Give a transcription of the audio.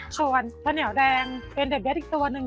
ส่วนข้าวเหนียวแดงเป็นแบบยัดอีกตัวหนึ่ง